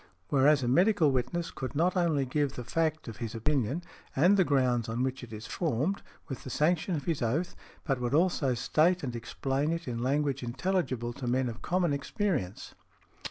Whereas a medical witness could not only give the fact of his opinion, and the grounds on which it is formed, with the sanction of his oath, but would also state and explain it in language intelligible to men of common experience.